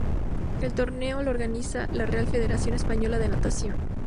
El torneo lo organiza la Real Federación Española de Natación.